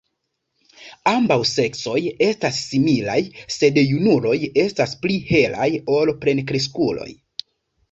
Ambaŭ seksoj estas similaj, sed junuloj estas pli helaj ol plenkreskuloj.